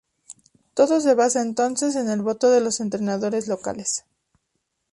Todo se basa entonces en el voto de los entrenadores locales.